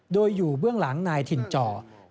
โดยอยู่เบื้องหลังนายถิ่นจอ